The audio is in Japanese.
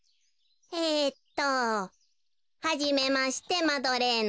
えっと「はじめましてマドレーヌちゃん。